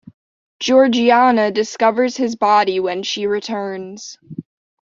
Georgina discovers his body when she returns.